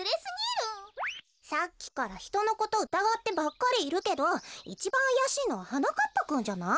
さっきからひとのことうたがってばっかりいるけどいちばんあやしいのははなかっぱくんじゃない？